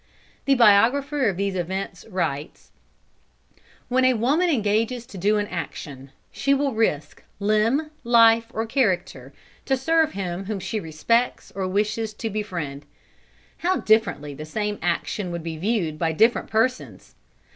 The biographer of these events writes: "When a woman engages to do an action, she will risk limb, life or character, to serve him whom she respects or wishes to befriend. How differently the same action would be viewed by different persons!